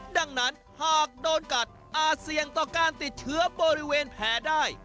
ดังนั้นหากโดนกัดอาจเสี่ยงต่อการติดเชื้อบริเวณแผลได้